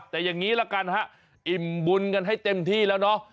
แต่อย่างนี้ละกันฮะอิ่มบุญกันให้เต็มที่แล้วเนาะ